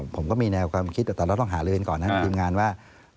ผมก็มีแนวความคิดแต่ตอนนั้นต้องหารืนก่อนทีมงานว่า